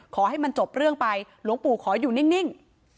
ขอให้มันจบเรื่องไปหลวงปู่ขออยู่นิ่ง